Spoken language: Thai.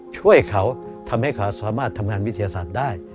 ช่วยเขาทำให้เขาสามารถทำงานวิทยาศาสตร์ได้